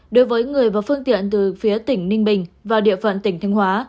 đối với người và phương tiện từ phía tỉnh ninh bình vào địa phận tỉnh thanh hóa